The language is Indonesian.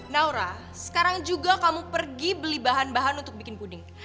naura sekarang juga kamu pergi beli bahan bahan untuk bikin puding